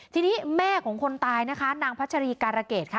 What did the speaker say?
ทีนี้แม่ของคนตายนะคะนางพัชรีการะเกดค่ะ